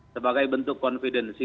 sebagai bentuk konfidensi